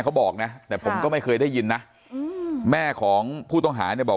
เขาบอกนะแต่ผมก็ไม่เคยได้ยินนะแม่ของผู้ต้องหาเนี่ยบอก